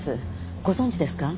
ご存じですか？